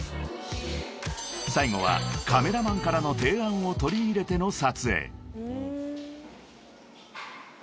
［最後はカメラマンからの提案を取り入れての撮影］